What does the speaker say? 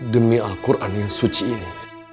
demi al quran yang suci ini